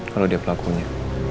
kalo dia pelakunya